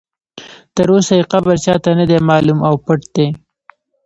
تر اوسه یې قبر چا ته نه دی معلوم او پټ دی.